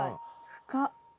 深っ！